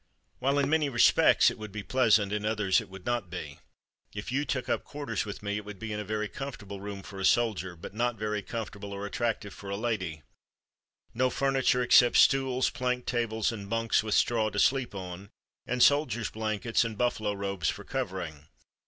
"While in many respects it would be pleasant, in others it would not be. If you took up quarters with me, it would be in a very comfortable room for a soldier, but not very comfortable or attractive for a lady no furniture except stools, plank tables, and bunks with straw to sleep on, and soldiers' blankets and buffalo robes for covering.